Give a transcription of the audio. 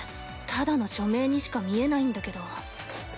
ただの署名にしか見えないんだけど。